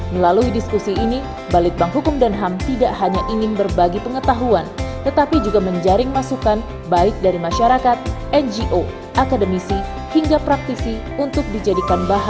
melalui diskusi ini balitbang hukum dan ham tidak hanya ingin berbagi pengetahuan tetapi juga menjaring masukan baik dari masyarakat ngo akademisi hingga praktisi untuk dijadikan bahan